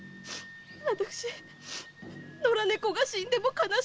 私野良猫が死んでも悲しくて！